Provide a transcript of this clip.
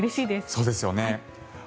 そうですよね。